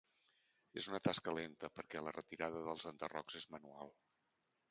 És una tasca lenta perquè la retirada dels enderrocs és manual.